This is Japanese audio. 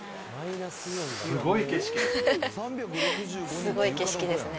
すごい景色ですね。